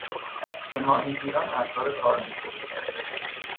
به ماهیگیران ابزار کار میفروخت.